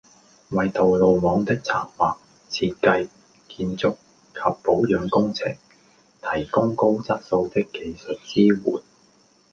為道路網的策劃、設計、建築及保養工程，提供高質素的技術支援